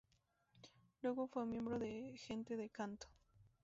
Luego fue miembro de Gente de Canto.